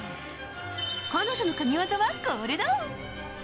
彼女の神技は、これだ！